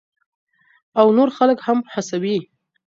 او نور خلک هم هڅوي.